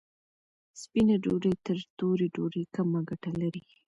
سپینه ډوډۍ تر تورې ډوډۍ کمه ګټه لري.